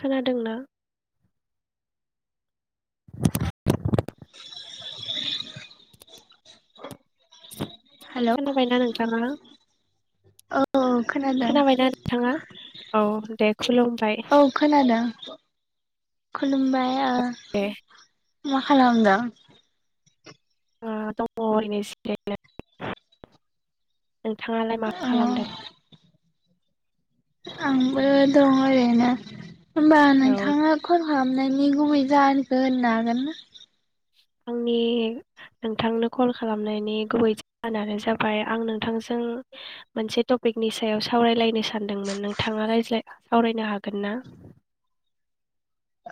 खोनादों ना? [inaudible] [unintelligible] हेल' खोनाबाय ना नोंथाङा औ खोनादों खोनाबाय ना नोंथाङा औ दे खुलुमबाय औ खोनादों खुलुमबाय दे मा खालामदों ओ दङ ओरैनो नोंथाङालाय मा अ खालामदों आंबो दंङ एरैनो होमबा औ नोंथाङा ख हाबनायनि गुबै जाहोनखो होननो हागोन ना आंनि नोंथांनो कल खालामनायनि गुबै जाहोनानो जाबाय आं नोंथांजों मोनसे टपिकनि सायाव सावरायलायनो सानदोंमोन नोंथाङा रायज्लाय सावरायनो हागोन ना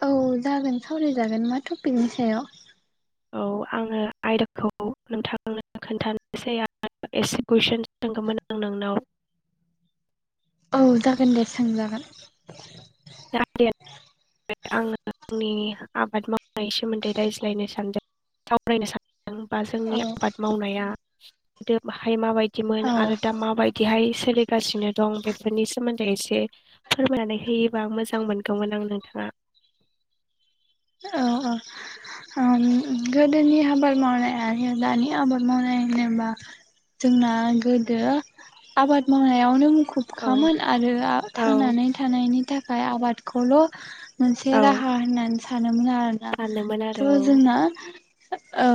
औ जागोन सावरायजागोन मा टपिकनि सायाव औ आङो आयदाखौ नोंथांनो खोन्थानोसै एसे कुइसनस सोंगौमोन आं नोंनाव औ जागोन दे सोंजागोन आङो आंनि आबाद मावनायनि सोमोन्दै रायज्लायनो सानदों सावरायनो सानदों जों बा औ जोंनि आबाद मावनाया गोदो बाहाय माबायदि औ बिदिमोन आरो दा माबायदिहाय सोलिगासिनो दं बे बेफोरनि सोमोन्दै एसे फोरमायनानै होयो गोबां मोजां मोनगौमोन आं नोंथाङा औ औ गोदोनि ओ आबाद मावनाय आरो दानि आबाद मावनाय होनोबा जोंना गोदो आबाद मावनायावनो औ खुबखामोन आरो थांनानै थानायनि थाखाय आबाद खौल मोनसे राहा होननानै सानोमोन आरो जोंना थ' जोंना ओ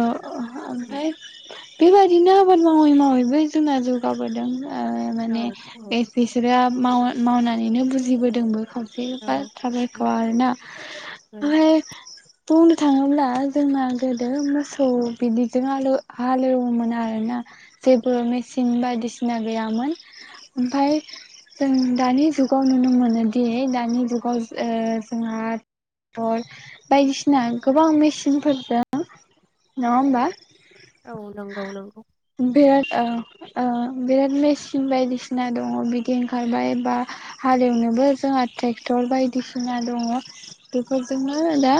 ओमफ्राय बेबायदिनो आबाद मावै मावैबो जोंना जौगाबोदों आरो औ माने [unintelligible] माव मावनानैनो बुजिबोदोंबो औ औ [unintelligible] फ्राय बुंनो थाङोब्ला जोंना गोदो मोसौ बिदिजों हालेव- हालेवोमोन आरोना जेबो मेचिन बायदिसिना गैयामोन ओमफाय जों दानि जुगाव नुनो मोनोदि दानि जुगाव ओ जोंहा टर बायदिसिना गोबां मेसिनफोरजों नङा होमबा औ नंगौ नंगौ औ ओ बिराद मेसिन बायदिसिना दङ बिदि ओंखारबाय बा हालेवनोबो जोंहा ट्रेक्ट'र बायदिसिना दङ बेफोरजोंनो दा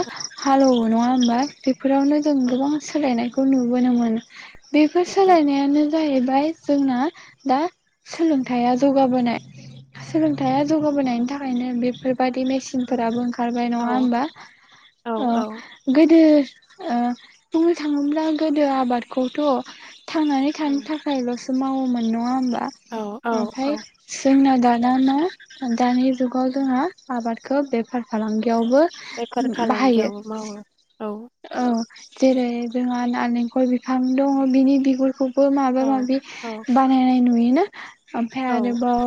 हालौवो नङा होमबा बेफोरावनो जों गोबां सोलायनायखौ नुबोनो मोनो बेफोर सोलायनायानो जाहैबाय जोंना दा सोलोंथाइया जौगाबोनाय सोलोंथाइया जौगाबोनायनि थाखायनो बेफोर बायदि औ मेसिनफोराबो ओंखार नङा औ होनबा औ गोदो दो ओ बुंनो थाङोब्ला गोदो आबादखौथ' थांनानै थानो थाखायल'सो मावोमोन नङा होमबा औ औ आमफाय औ जोंना दा दाना दानि जुगाव जोंहा आबादखौ बेफार खालामदो बेफार बेयावबो बाहायो फालांगियावबो मावो औ औ जेरै जोंहा नारेंखल बिफां दङ बिनि बिगुरखौ बो माबा औ माबि औ बानायनाय नु बिनो आमफाय औ आरोबाव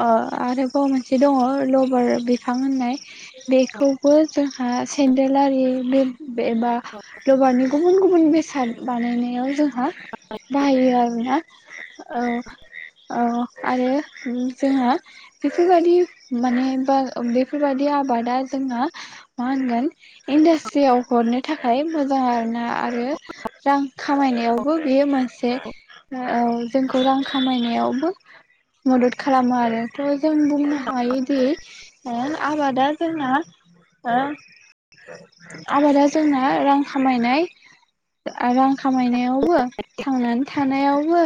अ आरोबाव मोनसे दङ लबार बि बिफां होननाय बेखौबो जोंहा बेबा औ लबारनि गुबुन गुबुन बेसाद बाहायो आरोना औ औ आरो उम जोंहा बेफोरबादि माने बा बेफोरबादि आबादा जोंहा मा होनगोन इडास्ट्रियाव हरनो थाखाय मोजां आरोना आ आरो रां खामायनायावबो बेयो मोनसे औ जोंखौ रां खामायनायाव बो मदद खालामो आरो थ' जों बुंनो हायोदि ओं आबादा जोंना ओ आबादा जोंना रां खामायनाय रां खामायनायावबो थांनानै थानायावबो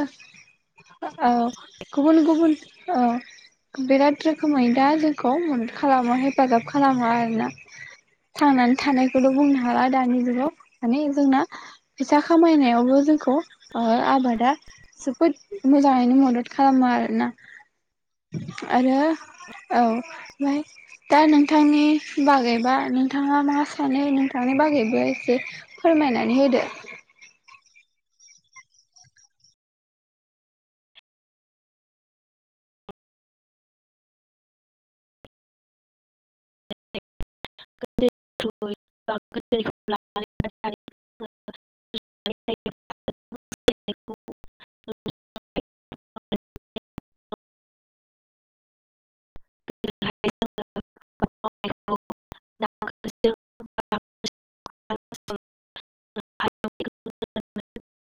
औ गुबुन गुबुन औ बिराद रोखोमै दा जोंखौ मोनदो खालामो हेफाजाब खालामो आरोना थांनानै थानायखौल' बुंनो हाला दानि जुगाव माने जोंना फैसा खामायनायावबो जोंखौ ओ आबादा जोबोद मोजाङैनो मदद खालामो आरोना आरो औ फाय दा नोंथांनि बागैबा नोंथाङा मा सानो नोंथांनि बागैबो एसे फोरमायनानै होदो [unintelligible] [unintelligible]